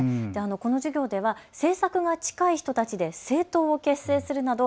この授業では政策が近い人たちで政党を結成するなど